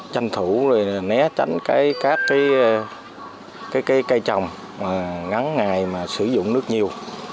tranh thủ né tránh cái cây trồng ngắn ngày mà sử dụng nước nhiều